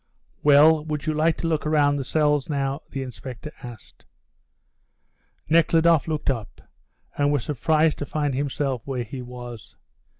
"Well, would you like to look round the cells now?" the inspector asked. Nekhludoff looked up and was surprised to find himself where he was.